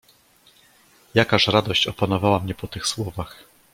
"Jakaż radość opanowała mnie po tych słowach!"